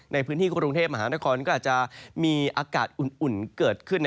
ในพื้นที่กรุงเทพมหานครก็อาจจะมีอากาศอุ่นเกิดขึ้น